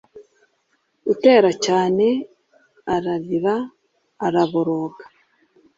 utera cyaneararira araboroga